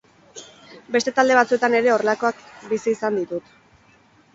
Beste talde batzuetan ere horrelakoak bizi izan ditut.